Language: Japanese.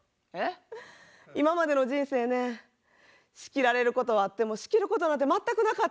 今までの人生ね仕切られることはあっても仕切ることなんて全くなかった！